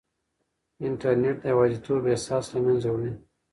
انټرنیټ د یوازیتوب احساس له منځه وړي.